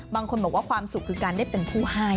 บางคนบอกว่าความสุขคือการได้เป็นผู้ให้